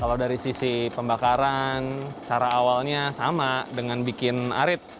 kalau dari sisi pembakaran cara awalnya sama dengan bikin arit